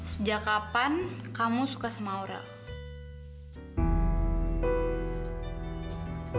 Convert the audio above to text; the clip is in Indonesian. sejak kapan kamu suka sama orang